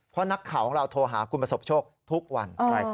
เพราะนักข่าวของเราโทรหาคุณประสบโชคทุกวัน